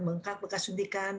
mengkak bekas undikan